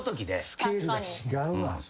スケールが違うわ。